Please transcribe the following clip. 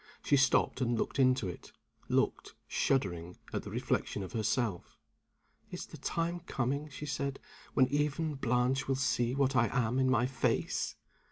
She stopped and looked into it looked, shuddering, at the reflection of herself. "Is the time coming," she said, "when even Blanche will see what I am in my face?"